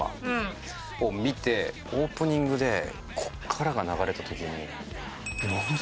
オープニングで『こっから』が流れた時に。